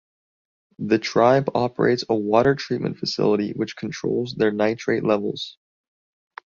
The tribe operates a water treatment facility which controls their nitrate levels.